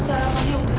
masa lama ini sudah